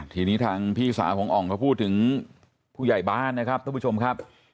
ทีนี้ทางพี่สาวของอ่องเขาพูดถึงผู้ใหญ่บ้านนะครับท่านผู้ชมครับ